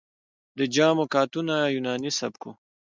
د جامو کاتونه یوناني سبک و